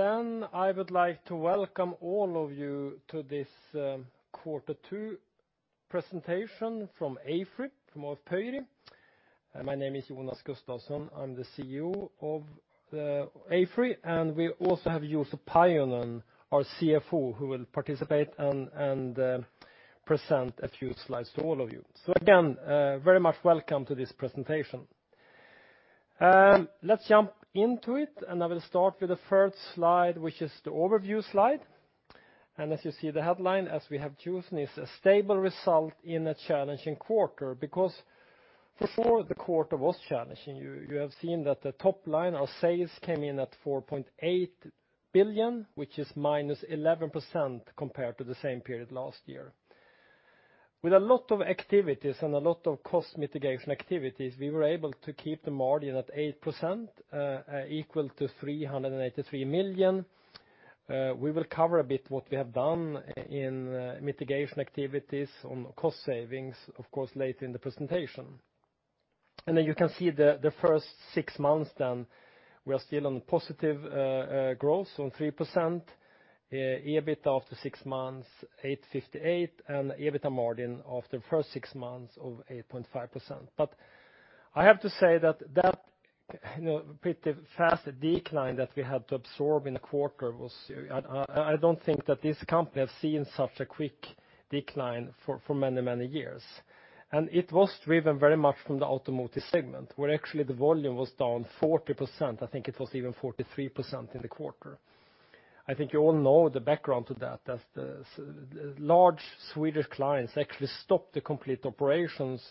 I would like to welcome all of you to this quarter 2 presentation from AFRY, from ÅF Pöyry. My name is Jonas Gustavsson. I'm the CEO of AFRY, and we also have Juuso Pajunen, our CFO, who will participate and present a few slides to all of you. Again, very much welcome to this presentation. Let's jump into it, and I will start with the first slide, which is the overview slide. As you see, the headline, as we have chosen, is a stable result in a challenging quarter because for sure the quarter was challenging. You have seen that the top line, our sales came in at 4.8 billion, which is -11% compared to the same period last year. With a lot of activities and a lot of cost mitigation activities, we were able to keep the margin at 8%, equal to 383 million. We will cover a bit what we have done in mitigation activities on cost savings, of course, later in the presentation. You can see the first six months then, we are still on positive growth on 3% EBIT after six months, 858, and EBITA margin after the first six months of 8.5%. I have to say that that pretty fast decline that we had to absorb in the quarter, I don't think that this company has seen such a quick decline for many, many years. It was driven very much from the automotive segment, where actually the volume was down 40%. I think it was even 43% in the quarter. I think you all know the background to that, as the large Swedish clients actually stopped the complete operations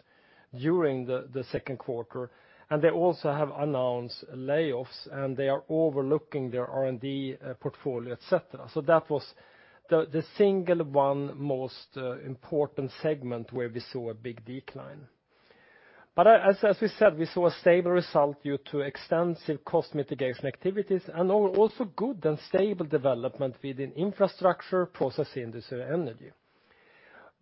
during the second quarter, and they also have announced layoffs, and they are overlooking their R&D portfolio, et cetera. That was the single one most important segment where we saw a big decline. As we said, we saw a stable result due to extensive cost mitigation activities and also good and stable development within infrastructure, process industry, energy.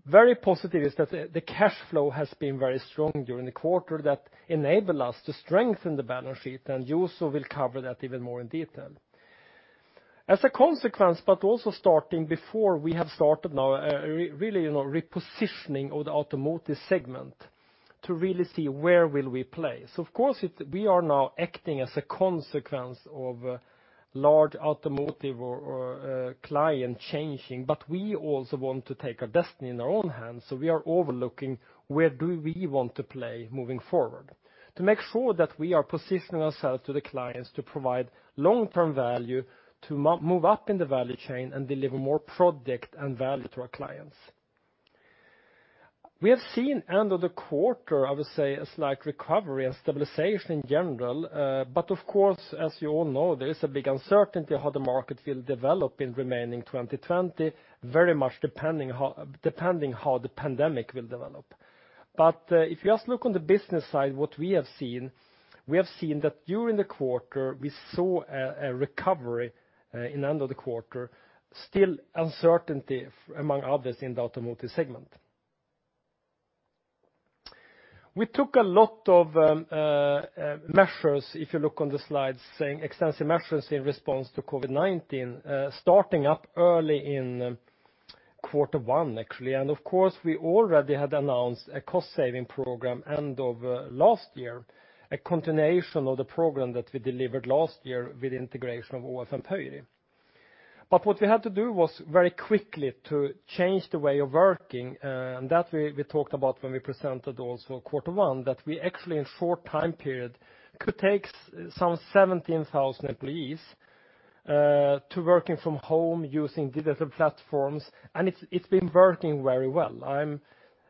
Very positive is that the cash flow has been very strong during the quarter that enable us to strengthen the balance sheet, and Juuso will cover that even more in detail. As a consequence, also starting before we have started now, really repositioning of the automotive segment to really see where will we play. Of course, we are now acting as a consequence of large automotive or client changing, but we also want to take our destiny in our own hands. We are overlooking where do we want to play moving forward to make sure that we are positioning ourselves to the clients to provide long-term value, to move up in the value chain and deliver more product and value to our clients. We have seen end of the quarter, I would say, a slight recovery and stabilization in general. Of course, as you all know, there is a big uncertainty how the market will develop in remaining 2020, very much depending how the pandemic will develop. If you just look on the business side, what we have seen, we have seen that during the quarter, we saw a recovery in end of the quarter, still uncertainty, among others, in the automotive segment. We took a lot of measures, if you look on the slides, saying extensive measures in response to COVID-19, starting up early in quarter 1, actually. Of course, we already had announced a cost-saving program end of last year, a continuation of the program that we delivered last year with integration of ÅF and Pöyry. What we had to do was very quickly to change the way of working, and that we talked about when we presented also quarter 1, that we actually in short time period could take some 17,000 employees to working from home using digital platforms, and it's been working very well. I'm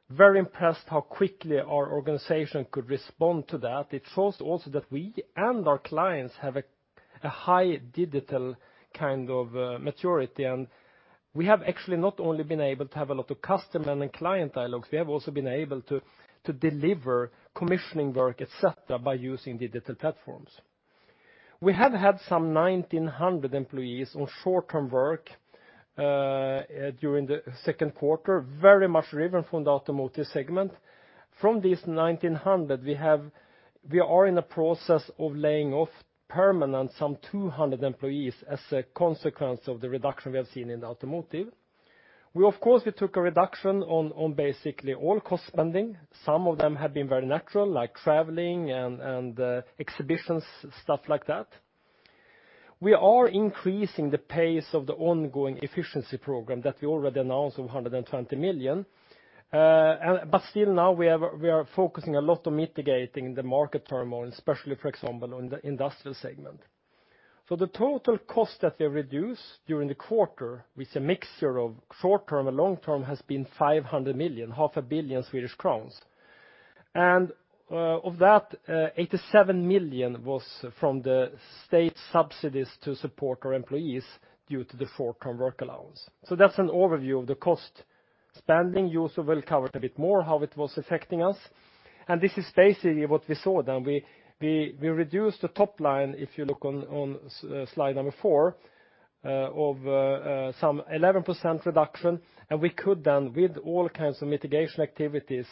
very impressed how quickly our organization could respond to that. It shows also that we and our clients have a high digital kind of maturity, we have actually not only been able to have a lot of customer and client dialogues, we have also been able to deliver commissioning work, et cetera, by using digital platforms. We have had some 1,900 employees on short-term work during the second quarter, very much driven from the automotive segment. From these 1,900, we are in the process of laying off permanent some 200 employees as a consequence of the reduction we have seen in the automotive. We, of course, took a reduction on basically all cost spending. Some of them have been very natural, like traveling and exhibitions, stuff like that. We are increasing the pace of the ongoing efficiency program that we already announced of 120 million. Still now we are focusing a lot on mitigating the market turmoil, especially, for example, on the industrial segment. The total cost that we reduce during the quarter with a mixture of short-term and long-term has been 500 million, half a billion SEK. Of that, 87 million was from the state subsidies to support our employees due to the short-term work allowance. That's an overview of the cost spending. Juuso will cover it a bit more, how it was affecting us. This is basically what we saw then. We reduced the top line, if you look on slide number 4. Of some 11% reduction, and we could then, with all kinds of mitigation activities,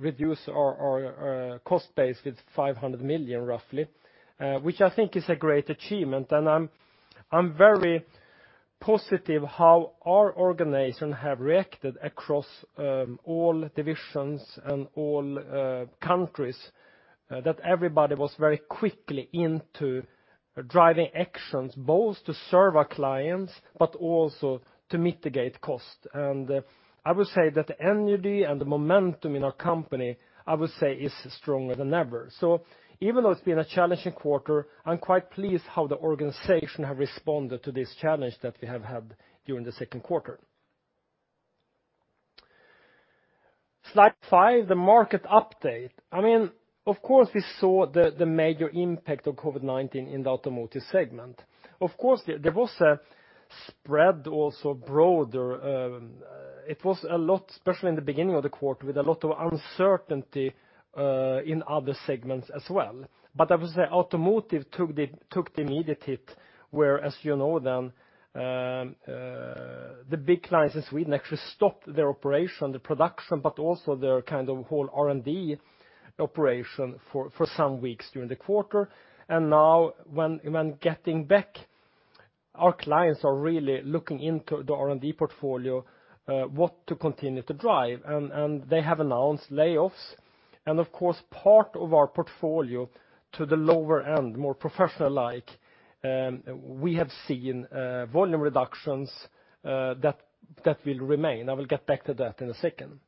reduce our cost base with 500 million roughly, which I think is a great achievement. I'm very positive how our organization have reacted across all divisions and all countries, that everybody was very quickly into driving actions, both to serve our clients, but also to mitigate cost. I would say that the energy and the momentum in our company is stronger than ever. Even though it's been a challenging quarter, I'm quite pleased how the organization have responded to this challenge that we have had during the second quarter. Slide five, the market update. Of course, we saw the major impact of COVID-19 in the automotive segment. Of course, there was a spread also broader. It was a lot, especially in the beginning of the quarter, with a lot of uncertainty in other segments as well. I would say automotive took the immediate hit, where, as you know, the big clients in Sweden actually stopped their operation, the production, but also their whole R&D operation for some weeks during the quarter. Now when getting back, our clients are really looking into the R&D portfolio, what to continue to drive. They have announced layoffs. Of course, part of our portfolio to the lower end, more professional-like, we have seen volume reductions that will remain. I will get back to that in a second.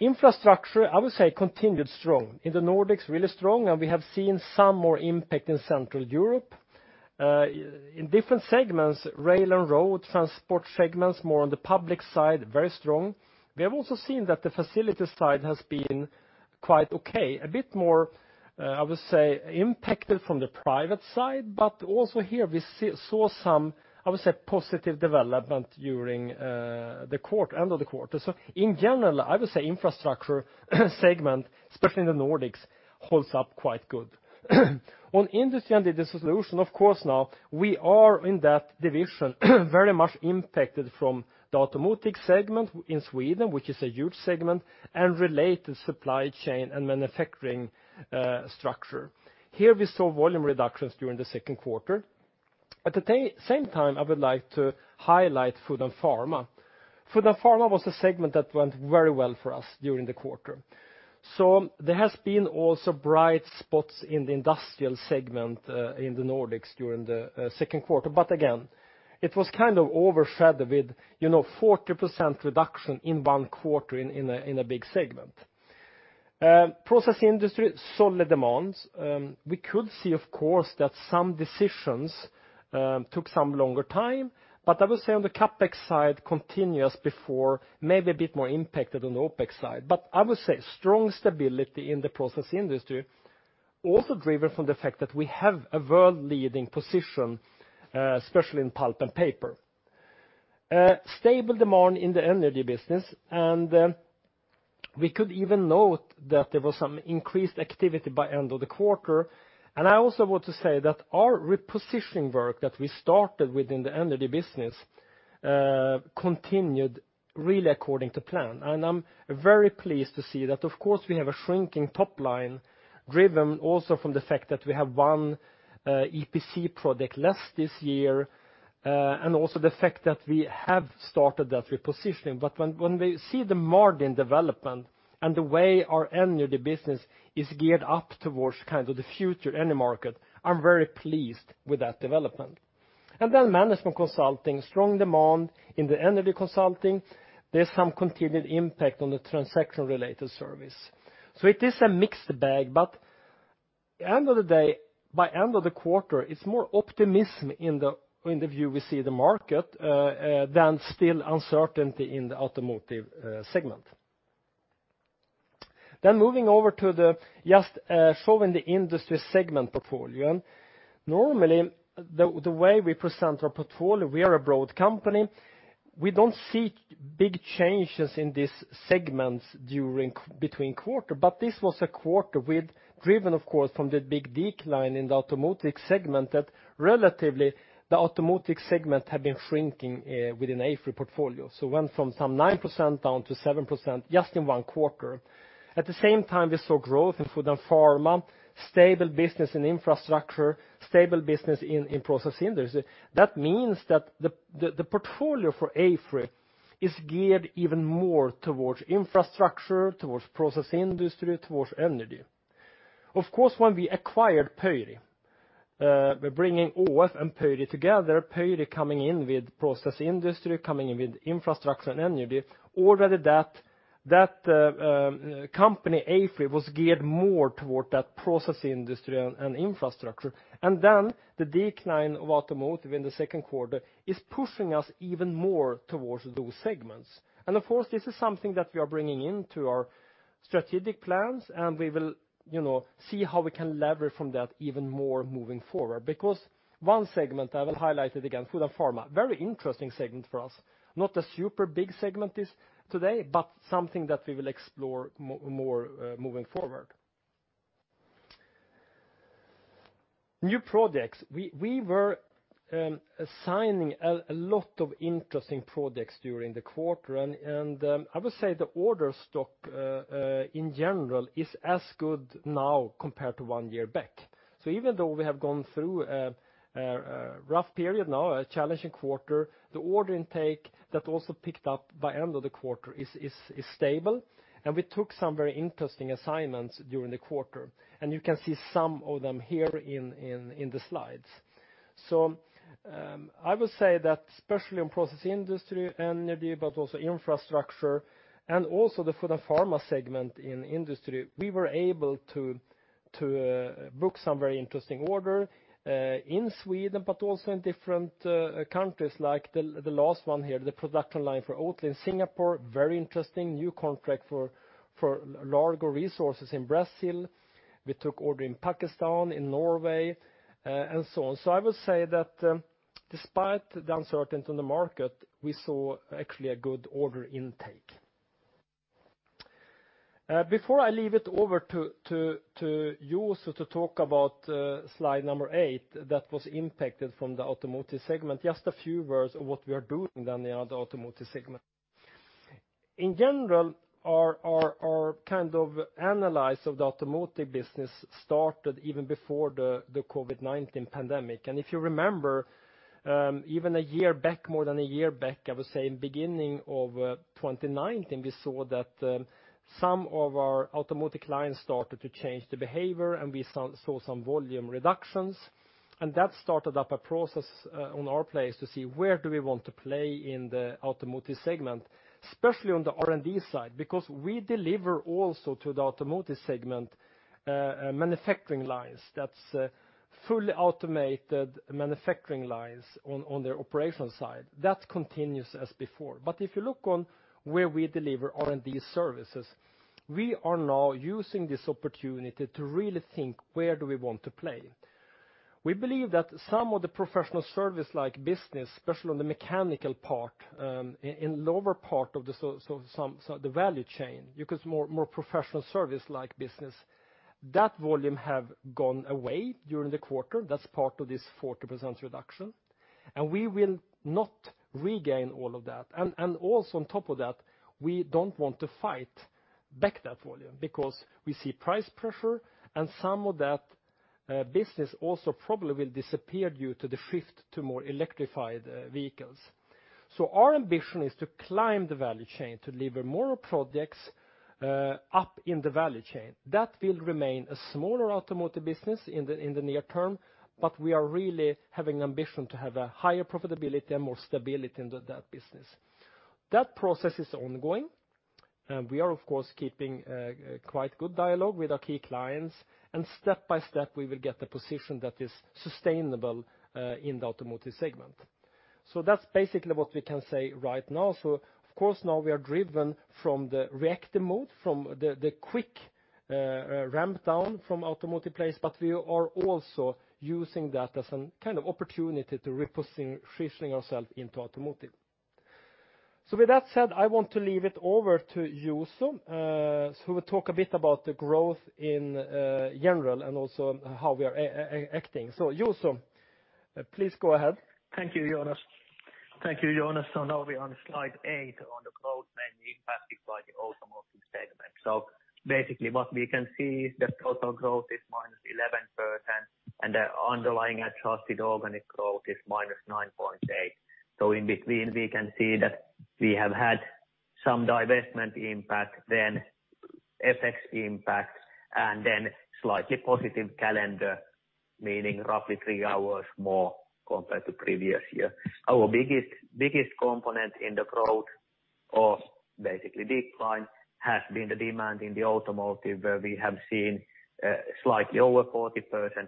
Infrastructure, I would say, continued strong. In the Nordics, really strong, and we have seen some more impact in Central Europe. In different segments, rail and road transport segments, more on the public side, very strong. We have also seen that the facilities side has been quite okay, a bit more, I would say, impacted from the private side, but also here we saw some positive development during the end of the quarter. In general, I would say infrastructure segment, especially in the Nordics, holds up quite good. On industry and digital solution, of course now, we are in that division very much impacted from the automotive segment in Sweden, which is a huge segment, and related supply chain and manufacturing structure. Here we saw volume reductions during the second quarter. At the same time, I would like to highlight food and pharma. Food and pharma was a segment that went very well for us during the quarter. There has been also bright spots in the industrial segment in the Nordics during the second quarter. Again, it was kind of overshadowed with 40% reduction in one quarter in a big segment. Process industry, solid demands. We could see, of course, that some decisions took some longer time, but I would say on the CapEx side, continuous before, maybe a bit more impacted on the OpEx side. I would say strong stability in the process industry, also driven from the fact that we have a world leading position, especially in pulp and paper. Stable demand in the energy business, and we could even note that there was some increased activity by end of the quarter. I also want to say that our repositioning work that we started within the energy business continued really according to plan. I'm very pleased to see that. Of course, we have a shrinking top line driven also from the fact that we have one EPC project less this year, and also the fact that we have started that repositioning. When we see the margin development and the way our Energy business is geared up towards the future energy market, I'm very pleased with that development. Management Consulting, strong demand in the energy consulting. There's some continued impact on the transaction-related service. It is a mixed bag, but end of the day, by end of the quarter, it's more optimism in the view we see the market than still uncertainty in the automotive segment. Moving over to just showing the industry segment portfolio. Normally, the way we present our portfolio, we are a broad company. We don't see big changes in these segments between quarter, but this was a quarter driven, of course, from the big decline in the automotive segment, that relatively the automotive segment had been shrinking within AFRY portfolio. Went from some 9% down to 7% just in one quarter. At the same time, we saw growth in food and pharma, stable business in infrastructure, stable business in process industry. That means that the portfolio for AFRY is geared even more towards infrastructure, towards process industry, towards energy. Of course, when we acquired Pöyry, bringing ÅF and Pöyry together, Pöyry coming in with process industry, coming in with infrastructure and energy, already that company, AFRY, was geared more toward that process industry and infrastructure. The decline of automotive in the second quarter is pushing us even more towards those segments. Of course, this is something that we are bringing into our strategic plans, and we will see how we can leverage from that even more moving forward. One segment, I will highlight it again, food and pharma, very interesting segment for us. Not a super big segment it is today, but something that we will explore more moving forward. New projects. We were assigning a lot of interesting projects during the quarter, and I would say the order stock in general is as good now compared to one year back. Even though we have gone through a rough period now, a challenging quarter, the order intake that also picked up by end of the quarter is stable, and we took some very interesting assignments during the quarter, and you can see some of them here in the slides. I would say that especially in process industry, energy, but also infrastructure and also the food and pharma segment in industry, we were able to book some very interesting order in Sweden, but also in different countries like the last one here, the production line for Oatly in Singapore. Very interesting new contract for Largo Resources in Brazil. We took order in Pakistan, in Norway, and so on. I would say that despite the uncertainty in the market, we saw actually a good order intake. Before I leave it over to Juuso to talk about slide number 8 that was impacted from the automotive segment, just a few words of what we are doing then in the automotive segment. In general, our kind of analysis of the automotive business started even before the COVID-19 pandemic. If you remember, even a year back, more than a year back, I would say in beginning of 2019, we saw that some of our automotive clients started to change the behavior and we saw some volume reductions, and that started up a process on our place to see where do we want to play in the automotive segment, especially on the R&D side, because we deliver also to the automotive segment, manufacturing lines. That's fully automated manufacturing lines on their operational side. That continues as before. If you look on where we deliver R&D services, we are now using this opportunity to really think, where do we want to play? We believe that some of the professional service-like business, especially on the mechanical part, in lower part of the value chain, because more professional service-like business, that volume have gone away during the quarter. That's part of this 40% reduction. We will not regain all of that. Also on top of that, we don't want to fight back that volume because we see price pressure and some of that business also probably will disappear due to the shift to more electrified vehicles. Our ambition is to climb the value chain, to deliver more projects up in the value chain. That will remain a smaller automotive business in the near term, but we are really having ambition to have a higher profitability and more stability in that business. That process is ongoing. We are, of course, keeping quite good dialogue with our key clients, and step by step we will get a position that is sustainable in the automotive segment. That's basically what we can say right now. Of course, now we are driven from the reactive mode, from the quick ramp down from automotive space, but we are also using that as an opportunity to reposition ourselves into automotive. With that said, I want to leave it over to Juuso, who will talk a bit about the growth in general and also how we are acting. Juuso, please go ahead. Thank you, Jonas. Now we're on slide eight on the growth mainly impacted by the automotive segment. Basically what we can see is that total growth is -11% and the underlying adjusted organic growth is -9.8%. In between, we can see that we have had some divestment impact, then FX impact, and then slightly positive calendar, meaning roughly three hours more compared to previous year. Our biggest component in the growth, or basically decline, has been the demand in the automotive where we have seen slightly over 40%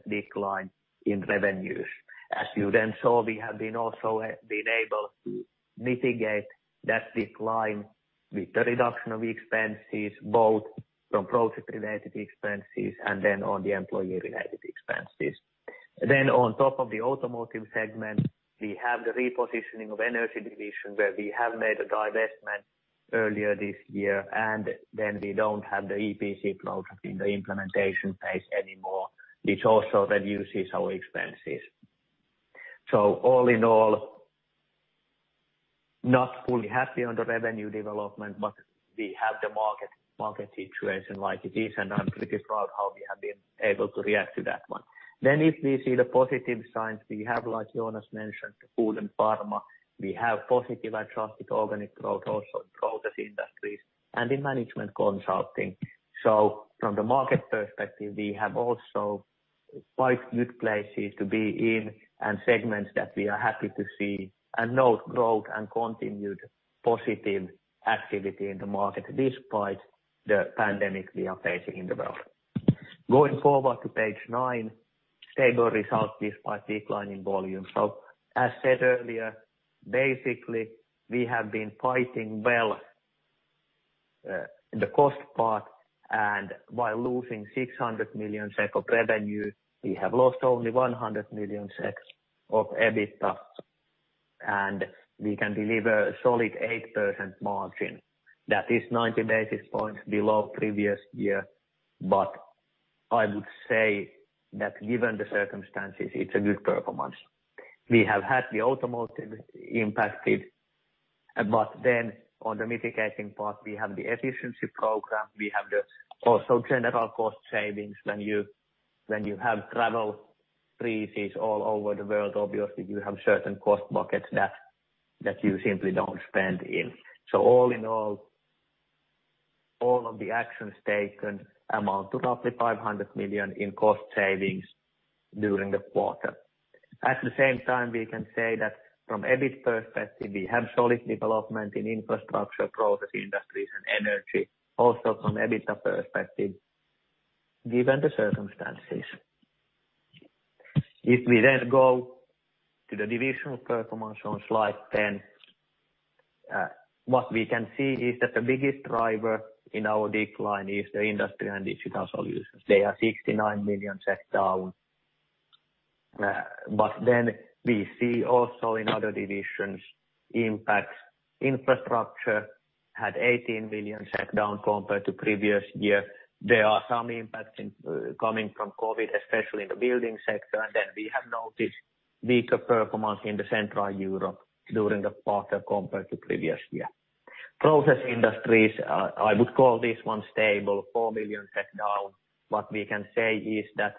decline in revenues. As you then saw, we have also been able to mitigate that decline with the reduction of expenses, both from project-related expenses and then on the employee-related expenses. On top of the automotive segment, we have the repositioning of energy division, where we have made a divestment earlier this year, and we don't have the EPC project in the implementation phase anymore, which also reduces our expenses. All in all, not fully happy on the revenue development, but we have the market situation like it is, and I'm pretty proud how we have been able to react to that one. If we see the positive signs we have, like Jonas mentioned, food and pharma, we have positive adjusted organic growth also in process industries and in management consulting. From the market perspective, we have also quite good places to be in and segments that we are happy to see and note growth and continued positive activity in the market despite the pandemic we are facing in the world. Going forward to page nine, stable results despite declining volume. As said earlier, basically we have been fighting well in the cost part and while losing 600 million SEK of revenue, we have lost only 100 million SEK of EBITDA. We can deliver a solid 8% margin. That is 90 basis points below previous year. I would say that given the circumstances, it's a good performance. We have had the automotive impacted, but then on the mitigating part, we have the efficiency program. We have the also general cost savings. When you have travel freezes all over the world, obviously you have certain cost buckets that you simply don't spend in. All in all of the actions taken amount to roughly 500 million in cost savings during the quarter. At the same time, we can say that from EBIT perspective, we have solid development in infrastructure, process industries and energy. Also from EBITDA perspective, given the circumstances. If we go to the divisional performance on slide 10, what we can see is that the biggest driver in our decline is the industry and digital solutions. They are 69 million down. We see also in other divisions impacts. Infrastructure had 18 million down compared to previous year. There are some impacts coming from COVID-19, especially in the building sector. We have noticed weaker performance in Central Europe during the quarter compared to previous year. Process industries, I would call this one stable, 4 million down. What we can say is that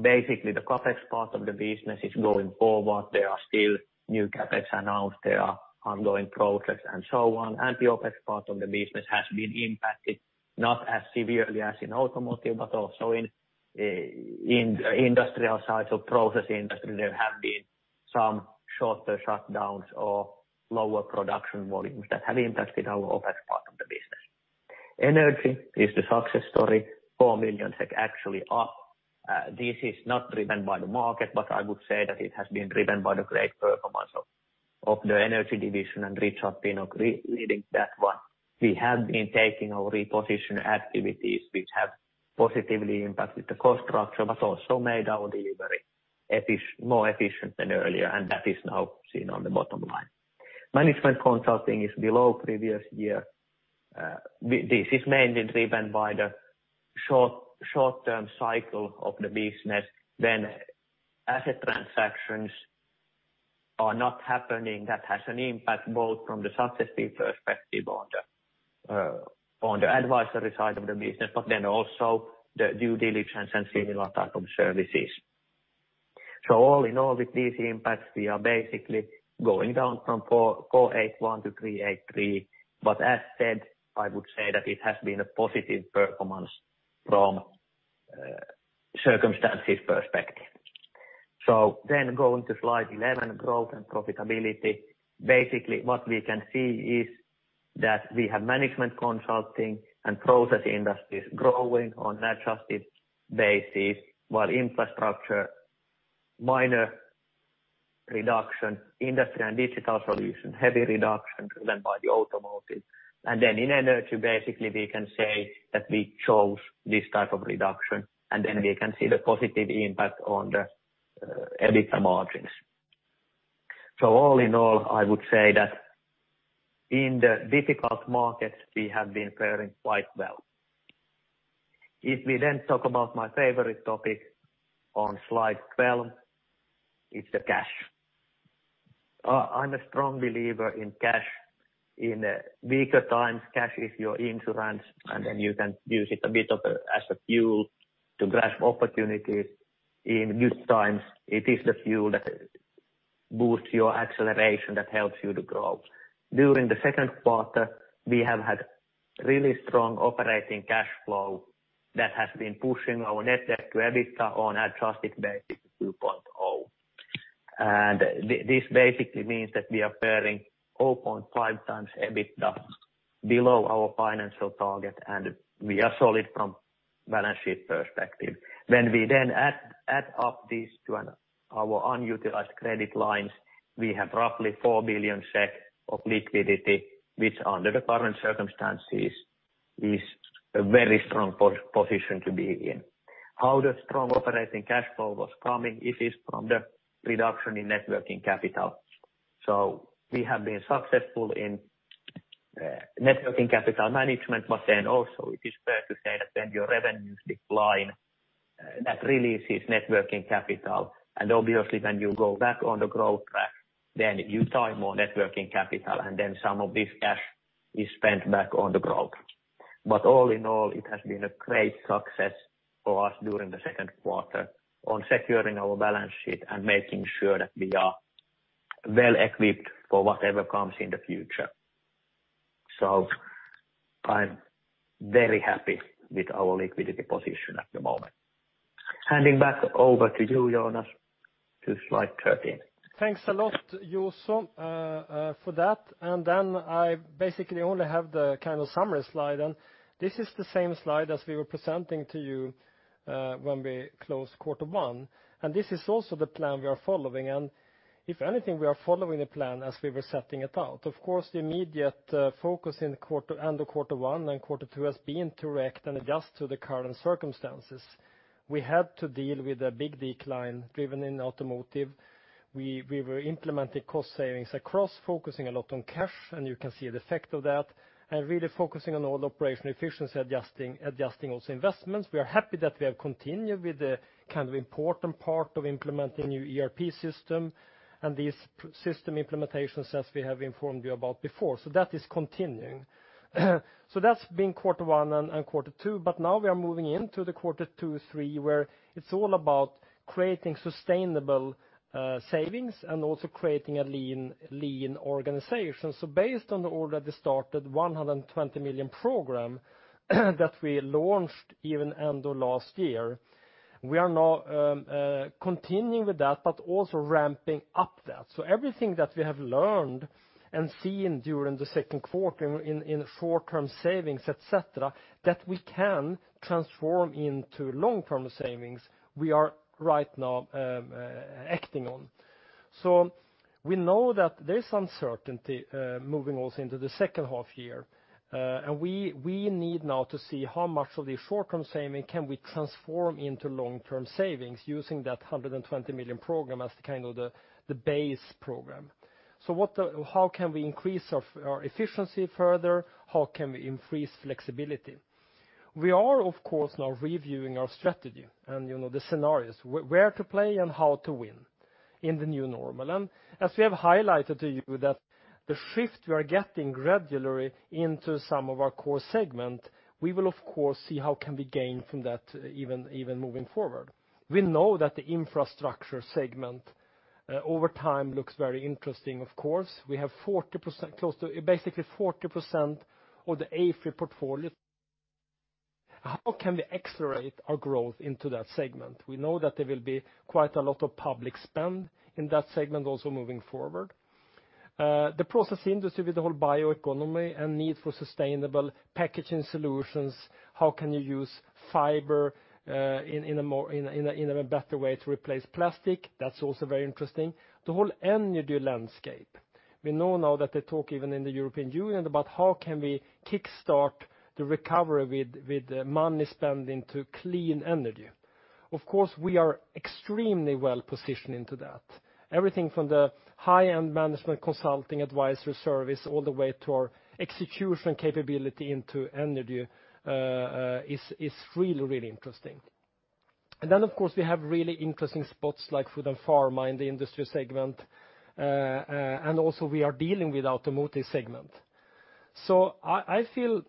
basically the CapEx part of the business is going forward. There are still new CapEx announced, there are ongoing projects and so on. The OpEx part of the business has been impacted, not as severely as in automotive, but also in industrial side. Process industry, there have been some shorter shutdowns or lower production volumes that have impacted our OpEx part of the business. Energy is the success story. 4 million actually up. This is not driven by the market, but I would say that it has been driven by the great performance of the energy division and Richard Pinnock leading that one. We have been taking our reposition activities, which have positively impacted the cost structure, but also made our delivery more efficient than earlier, and that is now seen on the bottom line. Management consulting is below previous year. This is mainly driven by the short-term cycle of the business. When asset transactions are not happening, that has an impact both from the success fee perspective on the advisory side of the business, also the due diligence and similar type of services. All in all, with these impacts, we are basically going down from 481 to 383. As said, I would say that it has been a positive performance from circumstances perspective. Going to slide 11, growth and profitability. Basically what we can see is that we have management consulting and process industries growing on adjusted basis while infrastructure, minor reduction. Industry and digital solution, heavy reduction driven by the automotive. In energy basically we can say that we chose this type of reduction, we can see the positive impact on the EBITDA margins. All in all, I would say that in the difficult markets we have been faring quite well. If we then talk about my favorite topic on slide 12, it's the cash. I'm a strong believer in cash. In weaker times, cash is your insurance, and then you can use it a bit as a fuel to grasp opportunities. In good times, it is the fuel that boosts your acceleration, that helps you to grow. During the second quarter, we have had really strong operating cash flow that has been pushing our net debt to EBITDA on adjusted basis to 2.0. This basically means that we are faring 0.5 times EBITDA below our financial target, and we are solid from balance sheet perspective. When we then add up these to our unutilized credit lines, we have roughly 4 billion SEK of liquidity, which under the current circumstances is a very strong position to be in. How the strong operating cash flow was coming, it is from the reduction in net working capital. We have been successful in net working capital management. Also it is fair to say that when your revenues decline, that releases net working capital. Obviously when you go back on the growth track, then you tie more net working capital, then some of this cash is spent back on the growth. All in all, it has been a great success for us during the second quarter on securing our balance sheet and making sure that we are well-equipped for whatever comes in the future. I'm very happy with our liquidity position at the moment. Handing back over to you, Jonas. To slide 13. Thanks a lot, Juuso, for that. Then I basically only have the summary slide, this is the same slide as we were presenting to you when we closed quarter one, this is also the plan we are following. If anything, we are following the plan as we were setting it out. Of course, the immediate focus end of quarter one and quarter two has been to react and adjust to the current circumstances. We had to deal with a big decline driven in automotive. We were implementing cost savings across, focusing a lot on cash, you can see the effect of that, really focusing on all operational efficiency, adjusting also investments. We are happy that we have continued with the important part of implementing new ERP system and these system implementation sets we have informed you about before. That is continuing. That's been quarter one and quarter two, but now we are moving into the quarter two, three, where it's all about creating sustainable savings and also creating a lean organization. Based on the already started 120 million program that we launched even end of last year, we are now continuing with that, but also ramping up that. Everything that we have learned and seen during the second quarter in short-term savings, et cetera, that we can transform into long-term savings, we are right now acting on. We know that there is uncertainty moving also into the second half year. We need now to see how much of the short-term saving can we transform into long-term savings using that 120 million program as the base program. How can we increase our efficiency further? How can we increase flexibility? We are, of course, now reviewing our strategy and the scenarios, where to play and how to win in the new normal. As we have highlighted to you that the shift we are getting gradually into some of our core segment, we will of course see how can we gain from that even moving forward. We know that the infrastructure segment over time looks very interesting, of course. We have basically 40% of the AFRY portfolio. How can we accelerate our growth into that segment? We know that there will be quite a lot of public spend in that segment also moving forward. The process industry with the whole bioeconomy and need for sustainable packaging solutions, how can you use fiber in a better way to replace plastic? That's also very interesting, the whole energy landscape. We know now that they talk even in the European Union about how can we kickstart the recovery with money spending to clean energy. We are extremely well-positioned into that. Everything from the high-end management consulting advisory service, all the way to our execution capability into energy is really interesting. Of course, we have really interesting spots like food and pharma in the industry segment. Also we are dealing with automotive segment. I feel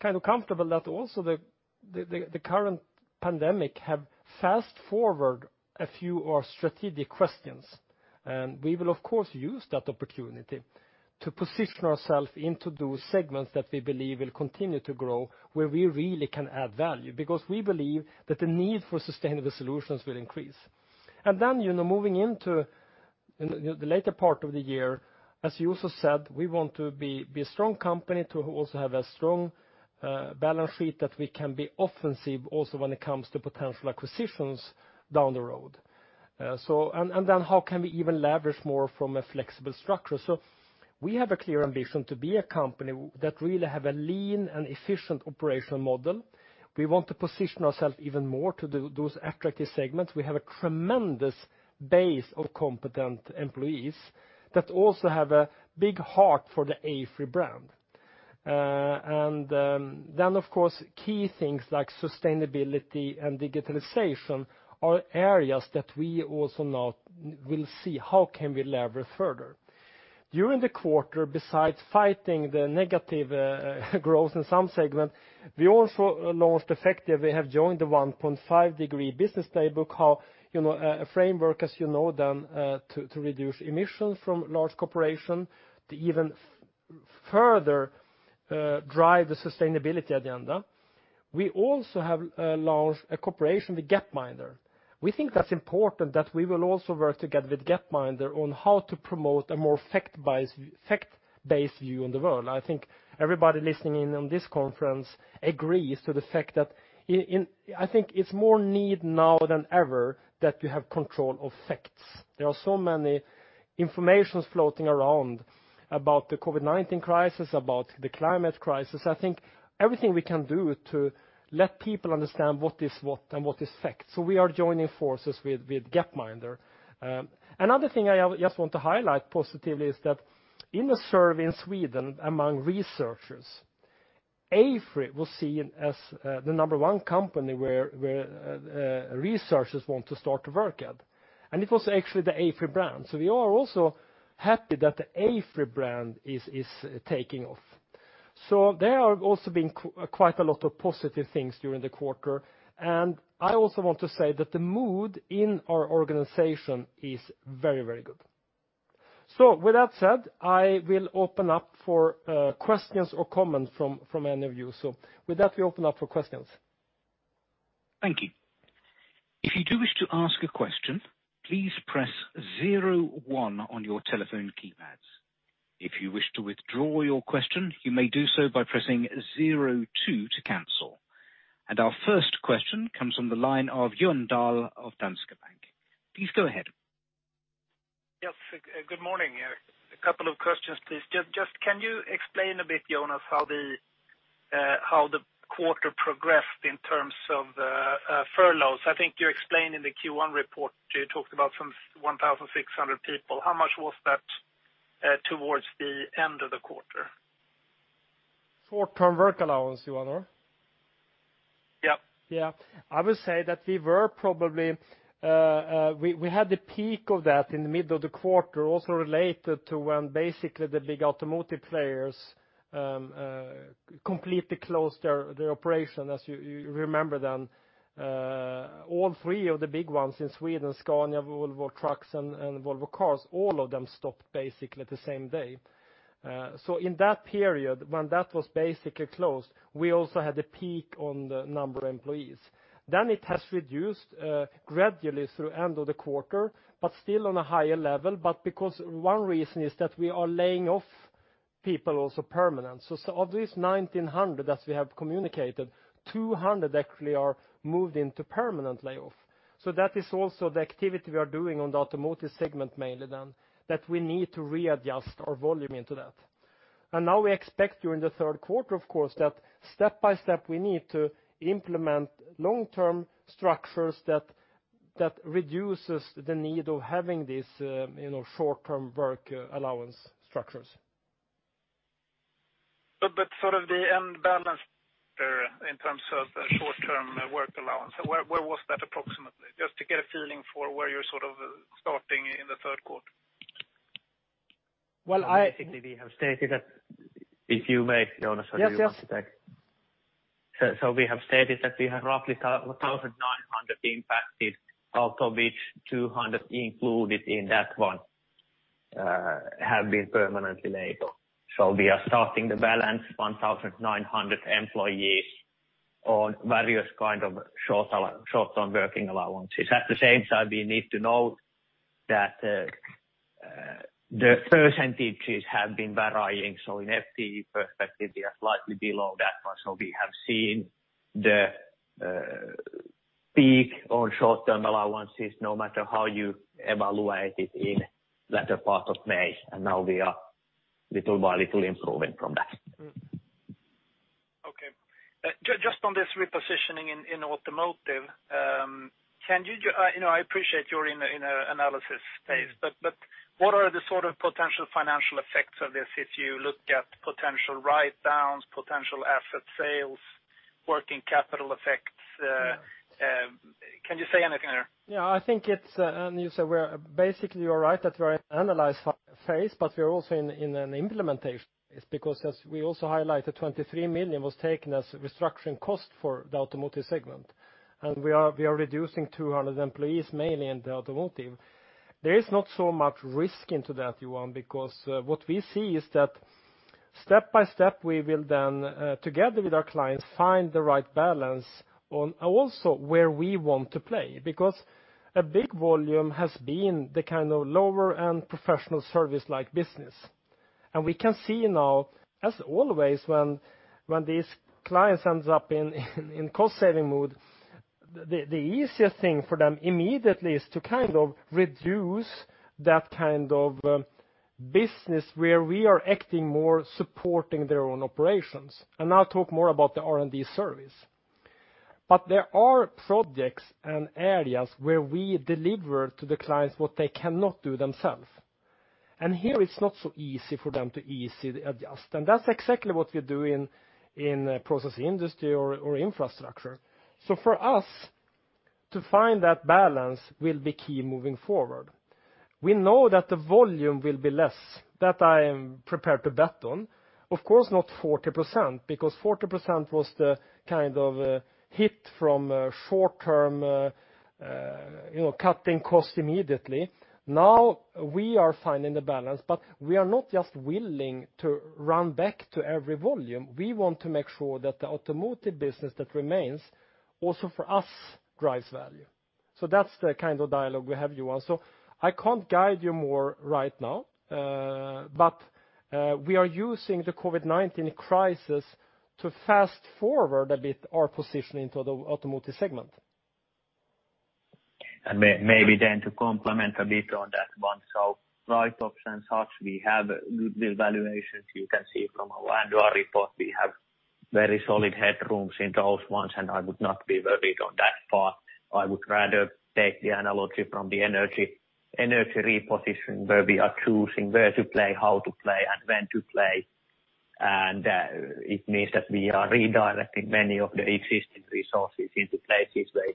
comfortable that also the current pandemic have fast-forwarded a few of our strategic questions, and we will, of course, use that opportunity to position ourselves into those segments that we believe will continue to grow, where we really can add value. We believe that the need for sustainable solutions will increase. Moving into the later part of the year, as Juuso said, we want to be a strong company to also have a strong balance sheet that we can be offensive also when it comes to potential acquisitions down the road. How can we even leverage more from a flexible structure? We have a clear ambition to be a company that really have a lean and efficient operational model. We want to position ourself even more to those attractive segments. We have a tremendous base of competent employees that also have a big heart for the AFRY brand. Of course, key things like sustainability and digitalization are areas that we also now will see how can we leverage further. During the quarter, besides fighting the negative growth in some segment, we also launched We have joined the 1.5°C Business Playbook, a framework, as you know, to reduce emissions from large corporation, to even further drive the sustainability agenda. We also have launched a cooperation with Gapminder. We think that's important that we will also work together with Gapminder on how to promote a more fact-based view in the world. I think everybody listening in on this conference agrees to the fact that I think it's more need now than ever that we have control of facts. There are so many information floating around about the COVID-19 crisis, about the climate crisis. I think everything we can do to let people understand what is what and what is fact. We are joining forces with Gapminder. Another thing I just want to highlight positively is that in a survey in Sweden among researchers, AFRY was seen as the number one company where researchers want to start to work at, and it was actually the AFRY brand. We are also happy that the AFRY brand is taking off. There have also been quite a lot of positive things during the quarter, and I also want to say that the mood in our organization is very good. With that said, I will open up for questions or comments from any of you. With that, we open up for questions. Thank you. If you do wish to ask a question, please press zero one on your telephone keypads. If you wish to withdraw your question, you may do so by pressing zero two to cancel. Our first question comes from the line of Johan Dahl of Danske Bank. Please go ahead. Yes. Good morning. A couple of questions, please. Just can you explain a bit, Jonas, how the quarter progressed in terms of the furloughs? I think you explained in the Q1 report, you talked about some 1,600 people. How much was that towards the end of the quarter? Short-term work allowance, Johan, or? Yep. Yeah. I would say that we had the peak of that in the middle of the quarter, also related to when basically the big automotive players completely closed their operation, as you remember then. All three of the big ones in Sweden, Scania, Volvo Trucks, and Volvo Cars, all of them stopped basically the same day. In that period when that was basically closed, we also had a peak on the number of employees. It has reduced gradually through end of the quarter, but still on a higher level. Because one reason is that we are laying off people also permanent. Of these 1,900 that we have communicated, 200 actually are moved into permanent layoff. That is also the activity we are doing on the automotive segment mainly then, that we need to readjust our volume into that. Now we expect during the third quarter, of course, that step by step we need to implement long-term structures that reduces the need of having these short-term work allowance structures. The end balance there in terms of the short-term work allowance, where was that approximately? Just to get a feeling for where you're starting in the third quarter. Well. Basically we have stated that if you may, Jonas, or do you want to take? Yes. We have stated that we have roughly 1,900 impacted, out of which 200 included in that one have been permanently laid off. We are starting the balance 1,900 employees on various kind of short-term working allowances. At the same time, we need to note that the percentages have been varying. In FTE perspective, we are slightly below that one. We have seen the peak on short-term allowances, no matter how you evaluate it in latter part of May, and now we are little by little improving from that. Okay. Just on this repositioning in automotive. I appreciate you're in an analysis phase. What are the potential financial effects of this if you look at potential write-downs, potential asset sales, working capital effects? Yeah. Can you say anything there? Yeah. Basically, you are right that we're in analyze phase, but we're also in an implementation phase because as we also highlighted, 23 million was taken as restructuring cost for the automotive segment, and we are reducing 200 employees mainly in the automotive. There is not so much risk into that, Johan, because what we see is that step by step we will then, together with our clients, find the right balance on also where we want to play. A big volume has been the kind of lower end professional service-like business. We can see now, as always, when these clients ends up in cost saving mood, the easiest thing for them immediately is to reduce that kind of business where we are acting more supporting their own operations. I'll talk more about the R&D service. There are projects and areas where we deliver to the clients what they cannot do themselves. Here it's not so easy for them to easily adjust. That's exactly what we do in process industry or infrastructure. For us to find that balance will be key moving forward. We know that the volume will be less. That I am prepared to bet on. Of course not 40%, because 40% was the kind of hit from short-term cutting costs immediately. Now we are finding the balance, we are not just willing to run back to every volume. We want to make sure that the automotive business that remains, also for us drives value. That's the kind of dialogue we have, Johan. I can't guide you more right now. We are using the COVID-19 crisis to fast-forward a bit our positioning to the automotive segment. Maybe to complement a bit on that one. Write-offs as such, we have good valuations. You can see from our annual report, we have very solid headrooms into those ones, and I would not be worried on that part. I would rather take the analogy from the energy repositioning, where we are choosing where to play, how to play, and when to play. It means that we are redirecting many of the existing resources into places where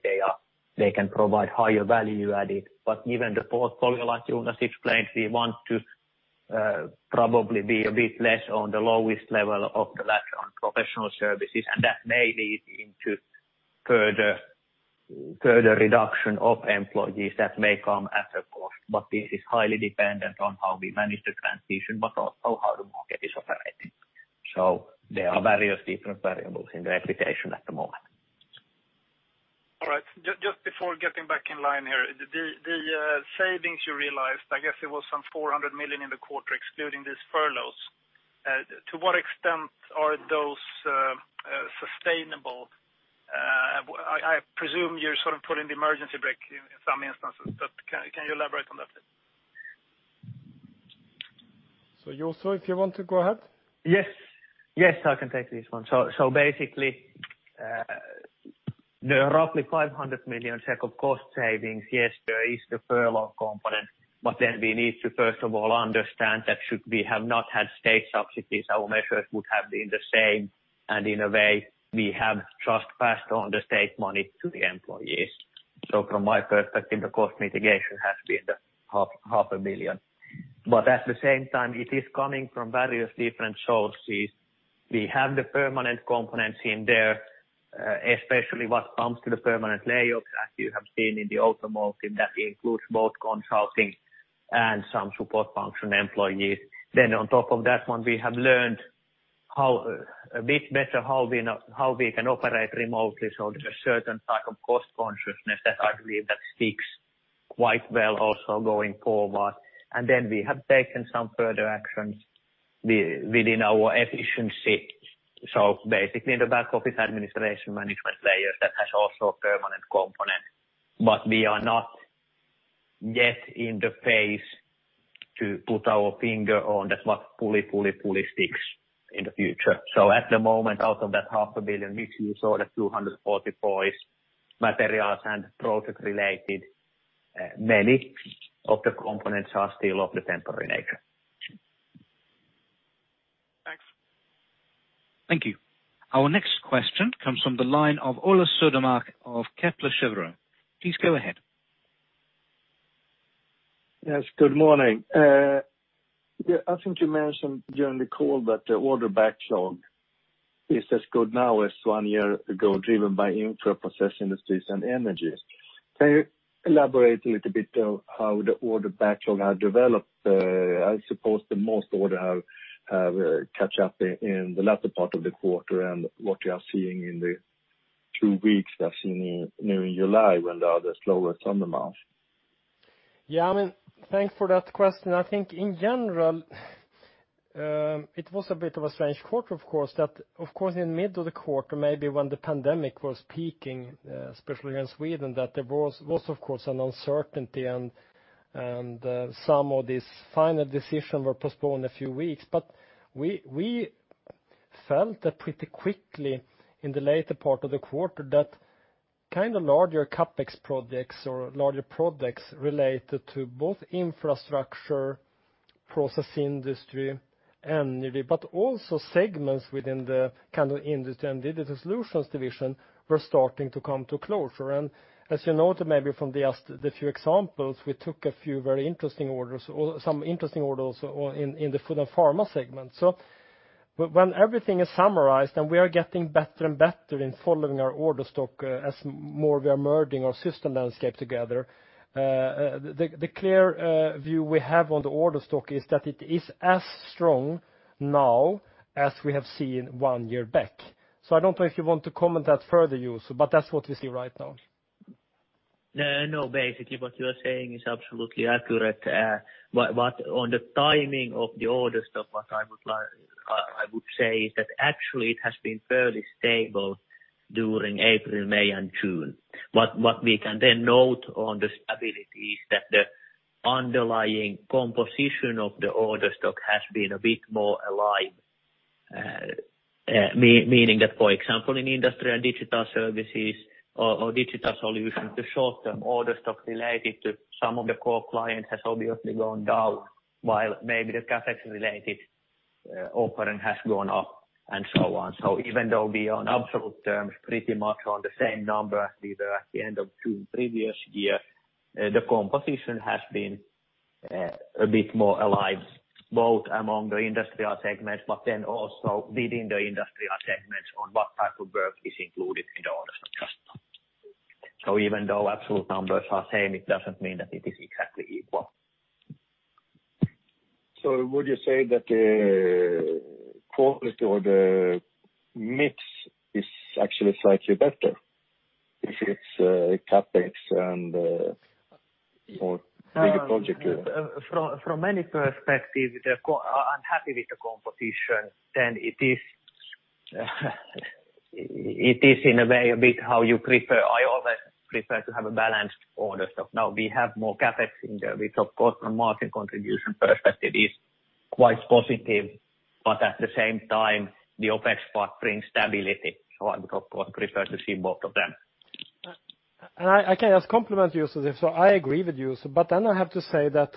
they can provide higher value added. Even the portfolio, as Jonas explained, we want to probably be a bit less on the lowest level of the ladder on professional services, and that may lead into further reduction of employees that may come at a cost, but this is highly dependent on how we manage the transition, but also how the market is operating. There are various different variables in the equation at the moment. All right. Just before getting back in line here, the savings you realized, I guess it was some 400 million in the quarter excluding these furloughs. To what extent are those sustainable? I presume you're sort of pulling the emergency brake in some instances. Can you elaborate on that please? Juuso, if you want to go ahead. Yes. I can take this one. Basically, there are roughly 500 million of cost savings. Yes, there is the furlough component, but then we need to first of all understand that should we have not had state subsidies, our measures would have been the same, and in a way we have just passed on the state money to the employees. From my perspective, the cost mitigation has been the half a billion SEK. At the same time, it is coming from various different sources. We have the permanent components in there, especially what comes to the permanent layoffs, as you have seen in the automotive, that includes both consulting and some support function employees. On top of that one, we have learned a bit better how we can operate remotely. There's a certain type of cost consciousness that I believe that speaks quite well also going forward. Then we have taken some further actions within our efficiency. Basically in the back office administration management layers, that has also a permanent component. We are not yet in the phase to put our finger on that, what fully sticks in the future. At the moment, out of that SEK half a billion mix, you saw the 240 points materials and project related. Many of the components are still of the temporary nature. Thanks. Thank you. Our next question comes from the line of Ola Södermark of Kepler Cheuvreux. Please go ahead. Yes, good morning. Yeah, I think you mentioned during the call that the order backlog is as good now as one year ago, driven by infra process industries and energy. Can you elaborate a little bit of how the order backlog has developed? I suppose the most order have catch up in the latter part of the quarter and what you are seeing in the two weeks that's in July when there are the slower summer months. Yeah, I mean, thanks for that question. I think in general, it was a bit of a strange quarter, of course, that in mid of the quarter, maybe when the pandemic was peaking, especially in Sweden, that there was of course an uncertainty and some of these final decision were postponed a few weeks. We felt that pretty quickly in the later part of the quarter, that kind of larger CapEx projects or larger projects related to both infrastructure, process industry, energy, but also segments within the kind of industry and digital solutions division were starting to come to closure. As you noted maybe from the few examples, we took a few very interesting orders or some interesting orders in the food and pharma segment. When everything is summarized and we are getting better and better in following our order stock as more we are merging our system landscape together. The clear view we have on the order stock is that it is as strong now as we have seen one year back. I don't know if you want to comment that further, Juuso, but that's what we see right now. No, basically what you are saying is absolutely accurate. On the timing of the order stock, what I would say is that actually it has been fairly stable during April, May and June. What we can then note on the stability is that the underlying composition of the order stock has been a bit more alive. Meaning that, for example, in industry and digital services or digital solutions, the short-term order stock related to some of the core clients has obviously gone down while maybe the CapEx related offering has gone up and so on. Even though we are on absolute terms pretty much on the same number we were at the end of June previous year, the composition has been a bit more alive, both among the industrial segments, also within the industrial segments on what type of work is included in the orders from customer. Even though absolute numbers are same, it doesn't mean that it is exactly equal. Would you say that the quality or the mix is actually slightly better if it's CapEx and more bigger project? From many perspective, I'm happy with the composition than it is in a way a bit how you prefer. I always prefer to have a balanced order stock. Now we have more CapEx in there, which of course from margin contribution perspective is quite positive, but at the same time, the OpEx part brings stability. I would of course prefer to see both of them. I can just complement Juuso there. I agree with Juuso.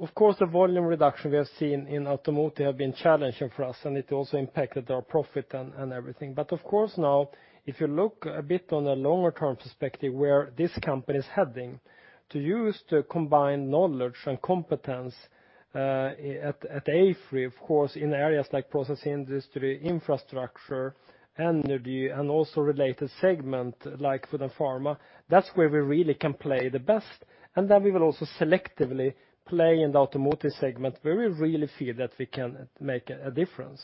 Of course, the volume reduction we have seen in automotive have been challenging for us, and it also impacted our profit and everything. Of course now, if you look a bit on a longer term perspective where this company is heading, to use the combined knowledge and competence at AFRY, of course, in areas like processing industry, infrastructure, energy, and also related segment like food and pharma, that's where we really can play the best. We will also selectively play in the automotive segment, where we really feel that we can make a difference.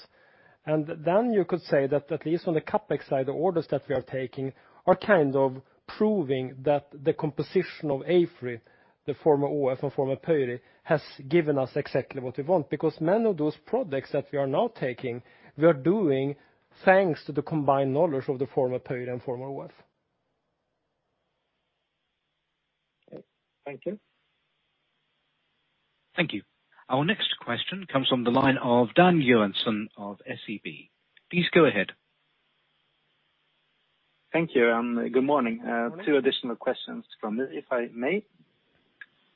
You could say that at least on the CapEx side, the orders that we are taking are kind of proving that the composition of AFRY, the former ÅF and former Pöyry, has given us exactly what we want, because many of those products that we are now taking, we are doing thanks to the combined knowledge of the former Pöyry and former ÅF. Okay. Thank you. Thank you. Our next question comes from the line of Dan Johansson of SEB. Please go ahead. Thank you, and good morning. Morning. Two additional questions from me, if I may.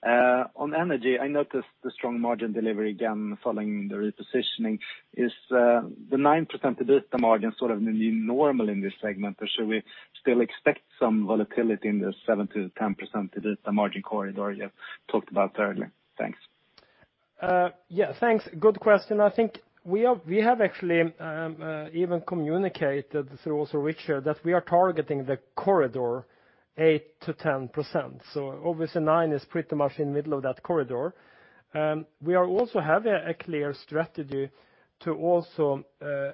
On energy, I noticed the strong margin delivery again following the repositioning. Is the 9% EBITDA margin sort of the new normal in this segment, or should we still expect some volatility in the 7%-10% EBITDA margin corridor you have talked about earlier? Thanks. Yeah. Thanks. Good question. I think we have actually even communicated through also Richard, that we are targeting the corridor 8%-10%. Obviously nine is pretty much in middle of that corridor. We are also have a clear strategy to also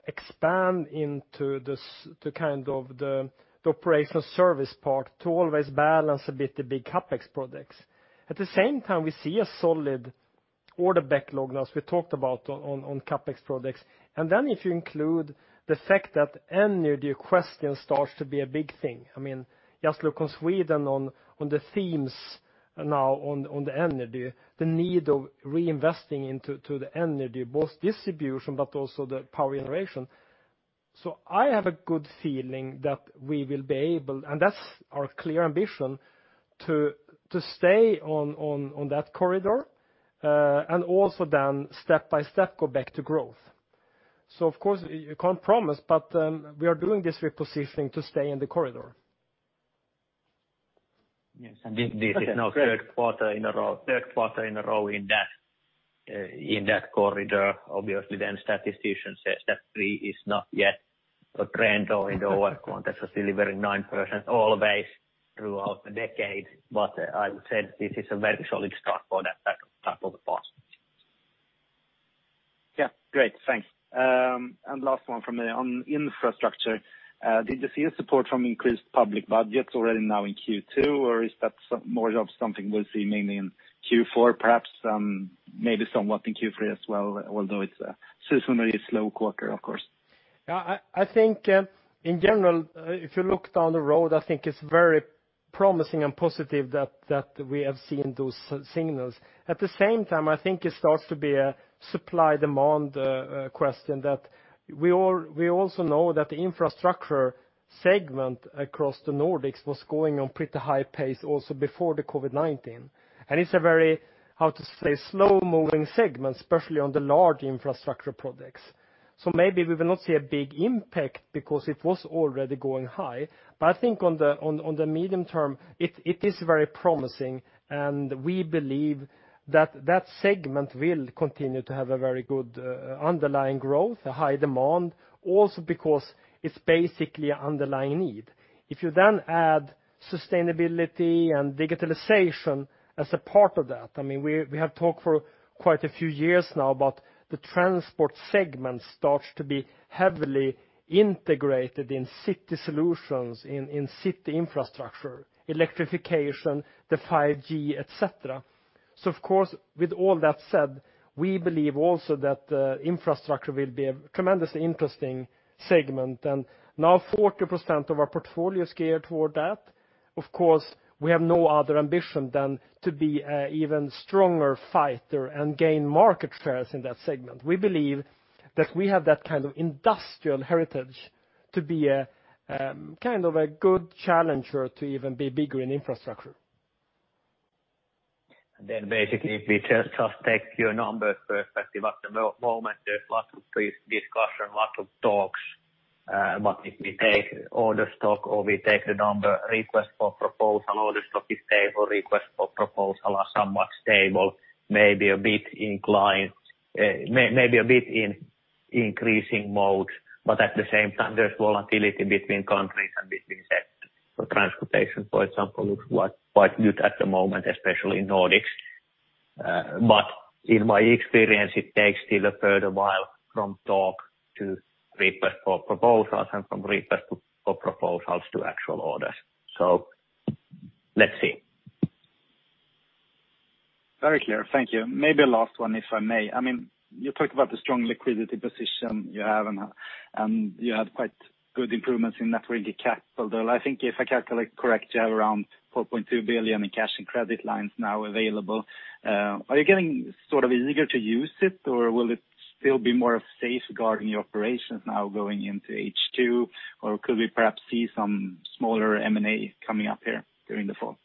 expand into the operational service part to always balance a bit the big CapEx products. At the same time, we see a solid order backlog, as we talked about on CapEx products. Then if you include the fact that energy question starts to be a big thing. Just look on Sweden on the themes now on the energy, the need of reinvesting into the energy, both distribution, but also the power generation. I have a good feeling that we will be able, and that's our clear ambition to stay on that corridor, and also then step by step, go back to growth. Of course, you can't promise, but we are doing this repositioning to stay in the corridor. Yes, this is now third quarter in a row in that corridor. Obviously, statistician says that three is not yet a trend or in the work context, so still a very 9% all the way throughout the decade. I would say this is a very solid start for that type of a product. Yeah. Great. Thanks. Last one from me. On infrastructure, did you see a support from increased public budgets already now in Q2, or is that more of something we'll see mainly in Q4 perhaps, maybe somewhat in Q3 as well, although it's a seasonally slow quarter, of course? I think in general, if you look down the road, I think it's very promising and positive that we have seen those signals. At the same time, I think it starts to be a supply/demand question that we also know that the infrastructure segment across the Nordics was going on pretty high pace also before the COVID-19. It's a very, how to say, slow moving segment, especially on the large infrastructure projects. Maybe we will not see a big impact because it was already going high. I think on the medium term, it is very promising, and we believe that that segment will continue to have a very good underlying growth, a high demand, also because it's basically underlying need. If you then add sustainability and digitalization as a part of that, we have talked for quite a few years now about the transport segment starts to be heavily integrated in city solutions, in city infrastructure, electrification, the 5G, et cetera. Of course, with all that said, we believe also that the infrastructure will be a tremendously interesting segment, and now 40% of our portfolio is geared toward that. Of course, we have no other ambition than to be a even stronger fighter and gain market shares in that segment. We believe that we have that kind of industrial heritage to be a kind of a good challenger to even be bigger in infrastructure. Basically, if we just take your numbers perspective at the moment, there's lots of pre-discussion, lots of talks. If we take order stock or we take the number request for proposal, order stock is stable, request for proposal are somewhat stable, maybe a bit inclined, maybe a bit in increasing mode, but at the same time, there's volatility between countries and between sectors. Transportation, for example, looks quite good at the moment, especially in Nordics. In my experience, it takes still a further while from talk to request for proposals and from request for proposals to actual orders. Let's see. Very clear. Thank you. Maybe a last one, if I may. You talked about the strong liquidity position you have, and you had quite good improvements in net working capital. I think if I calculate correct, you have around 4.2 billion in cash and credit lines now available. Are you getting sort of eager to use it, or will it still be more of safeguarding the operations now going into H2, or could we perhaps see some smaller M&A coming up here during the fall?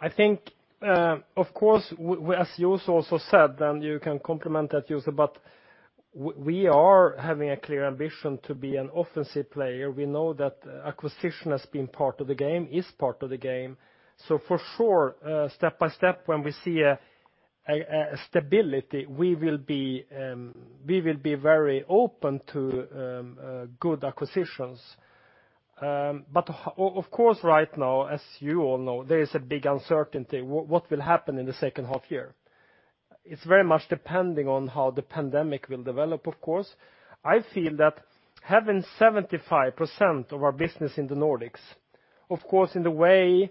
I think, of course, as Juuso also said, then you can compliment that, Juuso, but we are having a clear ambition to be an offensive player. We know that acquisition has been part of the game, is part of the game. For sure, step by step, when we see a stability, we will be very open to good acquisitions. Of course, right now, as you all know, there is a big uncertainty what will happen in the second half year. It's very much depending on how the pandemic will develop, of course. I feel that having 75% of our business in the Nordics, of course, in the way,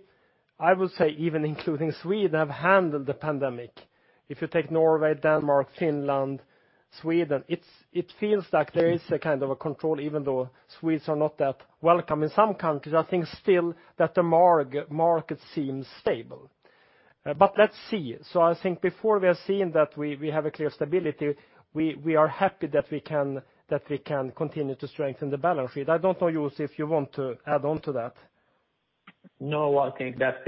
I would say even including Sweden, have handled the pandemic. If you take Norway, Denmark, Finland, Sweden, it feels like there is a kind of a control, even though Swedes are not that welcome in some countries. I think still that the market seems stable. Let's see. I think before we are seeing that we have a clear stability, we are happy that we can continue to strengthen the balance sheet. I don't know, Juuso, if you want to add on to that. No, I think that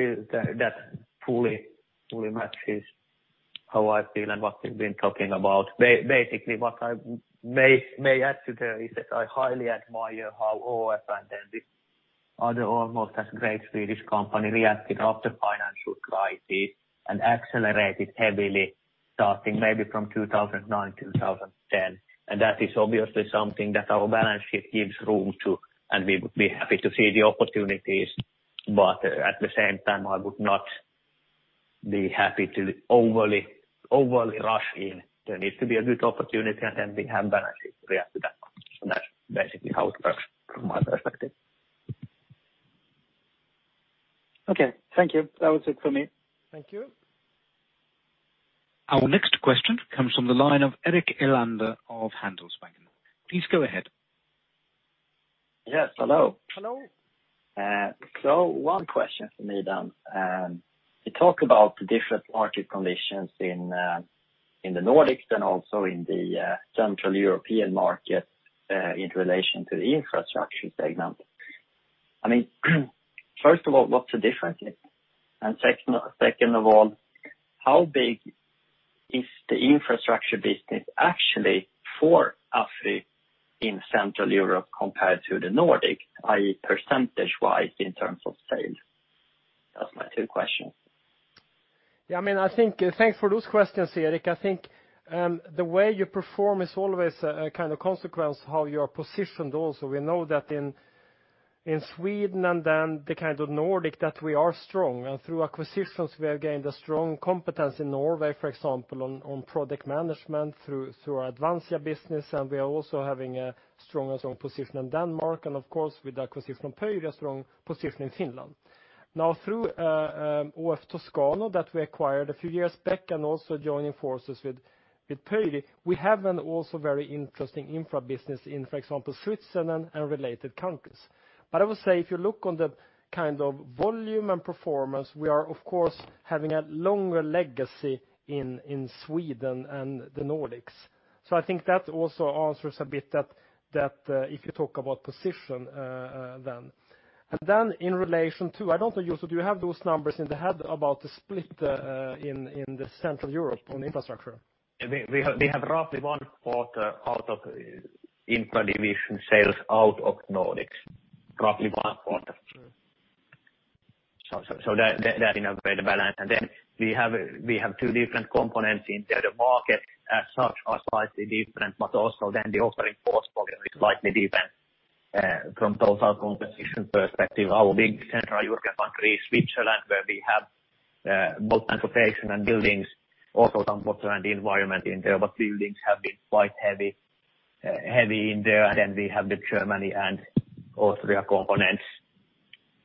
fully matches how I feel and what we've been talking about. Basically, what I may add to there is that I highly admire how ÅF and then this other almost as great Swedish company reacted after financial crisis and accelerated heavily starting maybe from 2009, 2010. That is obviously something that our balance sheet gives room to, and we would be happy to see the opportunities. At the same time, I would not be happy to overly rush in. There needs to be a good opportunity, and then we have balance sheet to react to that one. That's basically how it works from my perspective. Okay. Thank you. That was it for me. Thank you. Our next question comes from the line of Erik Elander of Handelsbanken. Please go ahead. Yes. Hello. Hello. One question for me then. You talk about the different market conditions in the Nordics and also in the Central European market, in relation to the infrastructure segment. I mean, first of all, what's the difference? Second of all, how big is the infrastructure business actually for AFRY in Central Europe compared to the Nordic, i.e., percentage-wise in terms of sales? That's my two questions. Thanks for those questions, Erik. I think the way you perform is always a consequence how you are positioned also. We know that in Sweden and then the kind of Nordic that we are strong. Through acquisitions, we have gained a strong competence in Norway, for example, on project management through our Advansia business, and we are also having a strong position in Denmark, and of course with the acquisition from Pöyry, a strong position in Finland. Now through Edy Toscano that we acquired a few years back and also joining forces with Pöyry, we have an also very interesting infra business in, for example, Switzerland and related countries. I would say if you look on the kind of volume and performance, we are of course having a longer legacy in Sweden and the Nordics. I think that also answers a bit that if you talk about position then. Then in relation to, I don't know, Juuso, do you have those numbers in the head about the split in Central Europe on infrastructure? We have roughly one quarter out of Infra division sales out of Nordics, roughly one quarter. That in a way the balance, and then we have two different components in there. The market as such are slightly different, but also then the offering portfolio is slightly different from total composition perspective, our big Central European country, Switzerland, where we have both transportation and buildings, also some water and the environment in there, but buildings have been quite heavy in there. Then we have the Germany and Austria components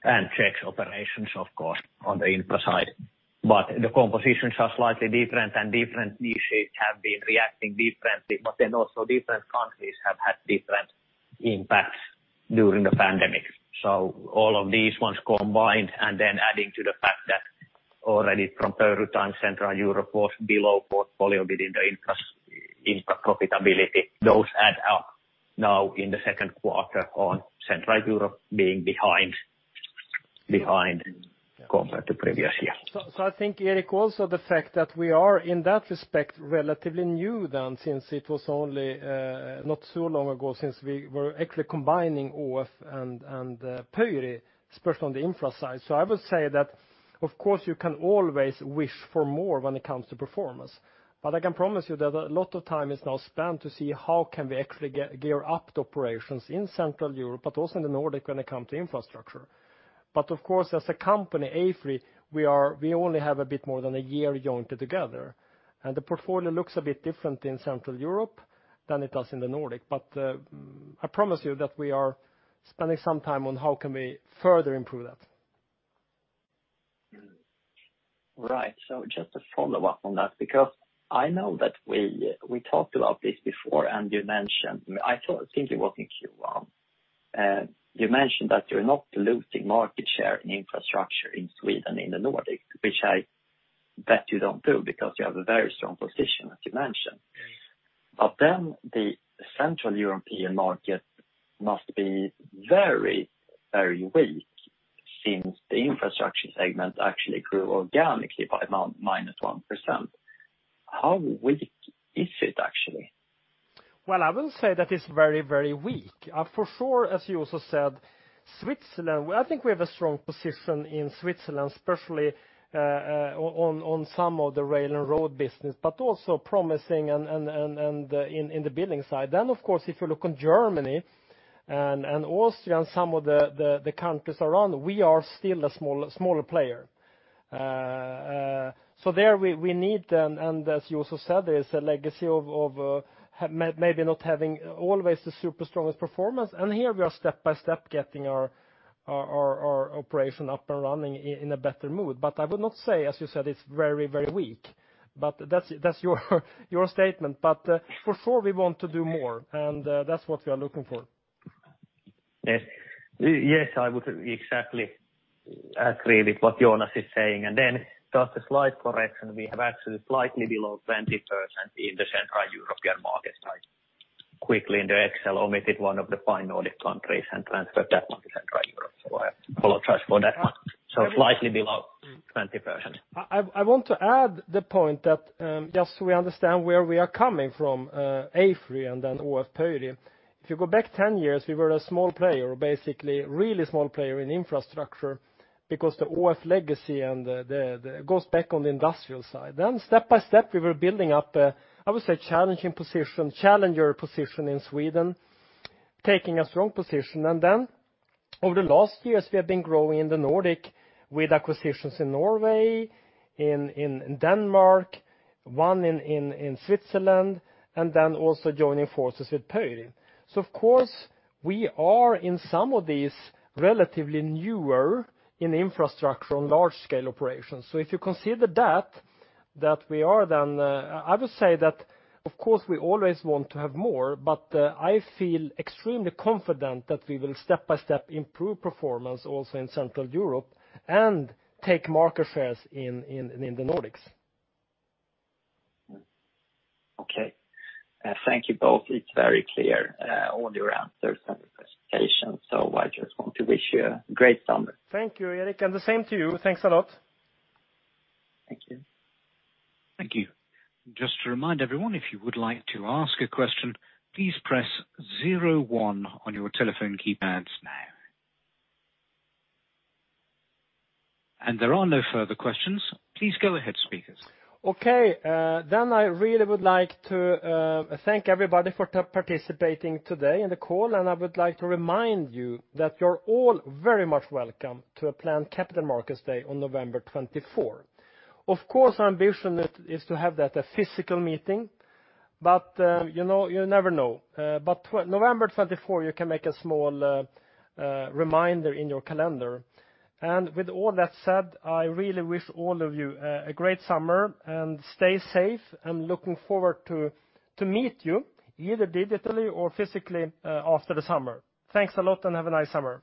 and Czech operations of course, on the infra side. The compositions are slightly different and different niches have been reacting differently. Also different countries have had different impacts during the pandemic. All of these ones combined, adding to the fact that already from Pöyry time, Central Europe was below portfolio within the infra profitability. Those add up now in the second quarter on Central Europe being behind compared to previous years. I think, Erik Elander, also the fact that we are in that respect, relatively new then, since it was only not so long ago since we were actually combining ÅF and Pöyry, especially on the infra side. I would say that, of course you can always wish for more when it comes to performance, but I can promise you that a lot of time is now spent to see how can we actually gear up the operations in Central Europe, but also in the Nordic when it comes to infrastructure. Of course, as a company, AFRY, we only have a bit more than a year joined together, and the portfolio looks a bit different in Central Europe than it does in the Nordic. I promise you that we are spending some time on how can we further improve that. Right. Just a follow-up on that, because I know that we talked about this before, and you mentioned, I think it was in Q1, you mentioned that you're not losing market share in infrastructure in Sweden, in the Nordic, which I bet you don't do because you have a very strong position, as you mentioned. The Central European market must be very weak since the infrastructure segment actually grew organically by minus 1%. How weak is it, actually? Well, I wouldn't say that it's very weak. For sure, as you also said, I think we have a strong position in Switzerland, especially on some of the rail and road business, but also promising in the building side. Of course, if you look on Germany and Austria and some of the countries around, we are still a smaller player. There we need then, and as you also said, there is a legacy of maybe not having always the super strongest performance. Here we are step by step getting our operation up and running in a better mood. I would not say, as you said, it's very weak, but that's your statement. For sure we want to do more, and that's what we are looking for. Yes, I would exactly agree with what Jonas is saying. Just a slight correction, we have actually slightly below 20% in the Central European market. I quickly in the Excel omitted one of the fine Nordic countries and transferred that one to Central Europe, so I apologize for that one. Slightly below 20%. I want to add the point that just so we understand where we are coming from, AFRY and then ÅF Pöyry. If you go back 10 years, we were a small player, basically really small player in infrastructure because the ÅF legacy goes back on the industrial side. Step by step we were building up a challenger position in Sweden, taking a strong position. Over the last years we have been growing in the Nordic with acquisitions in Norway, in Denmark, one in Switzerland, and then also joining forces with Pöyry. Of course we are in some of these relatively newer in infrastructure on large scale operations. If you consider that we are then, I would say that of course we always want to have more, but I feel extremely confident that we will step by step improve performance also in Central Europe and take market shares in the Nordics. Okay. Thank you both. It's very clear, all your answers and the presentation. I just want to wish you a great summer. Thank you, Erik, and the same to you. Thanks a lot. Thank you. Thank you. Just to remind everyone, if you would like to ask a question, please press 01 on your telephone keypads now. There are no further questions. Please go ahead, speakers. I really would like to thank everybody for participating today in the call, and I would like to remind you that you're all very much welcome to a planned Capital Markets Day on November 24. Of course, our ambition is to have that a physical meeting, you never know. November 24, you can make a small reminder in your calendar. With all that said, I really wish all of you a great summer, and stay safe. I'm looking forward to meet you either digitally or physically, after the summer. Thanks a lot and have a nice summer.